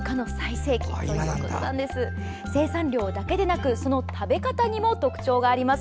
生産量だけでなくその食べ方にも特徴があります。